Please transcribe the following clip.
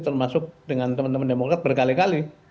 termasuk dengan teman teman demokrat berkali kali